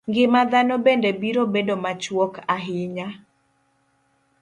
Ngima dhano bende biro bedo machuok ahinya.